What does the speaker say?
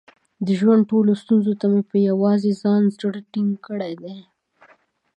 د ژوند ټولو ستونزو ته مې په یووازې ځان زړه ټینګ کړی دی.